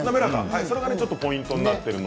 それがポイントになっています。